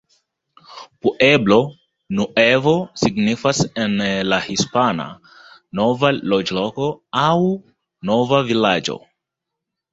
Pueblo Nuevo signifas en la hispana "nova loĝloko" aŭ "nova vilaĝo".